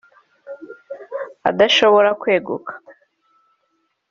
adashobora kweguka